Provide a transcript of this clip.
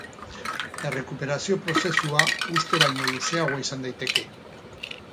Errekuperazio prozesua uste baino luzeagoa izan daiteke.